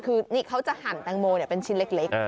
คือนี่เขาจะหั่นแตงโมเป็นชิ้นเล็ก